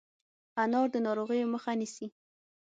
انار د ناروغیو مخه نیسي.